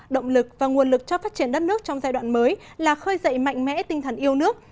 động lực và nguồn lực cho phát triển đất nước trong giai đoạn mới là khơi dậy mạnh mẽ tinh thần yêu nước